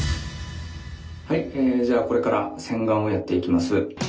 はいじゃあこれから洗顔をやっていきます。